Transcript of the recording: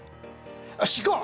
よしいこう！